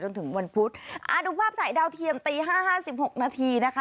จนถึงวันพุธอ่าดูภาพสายดาวเทียมตีห้าห้าสิบหกนาทีนะคะ